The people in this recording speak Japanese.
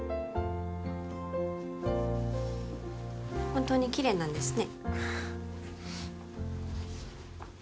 本当にキレイなんですね